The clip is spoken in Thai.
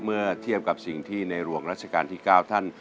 เมื่อเทียบกับสิ่งที่ในหลวงราชการที่๙ท่าน